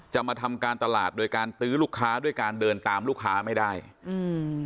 มาทำการตลาดโดยการตื้อลูกค้าด้วยการเดินตามลูกค้าไม่ได้อืม